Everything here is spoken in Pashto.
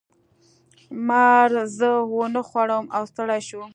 مار زه ونه خوړم او ستړی شو.